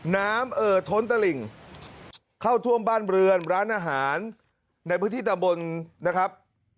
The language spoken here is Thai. เอ่อท้นตะหลิ่งเข้าท่วมบ้านเรือนร้านอาหารในพื้นที่ตะบนนะครับ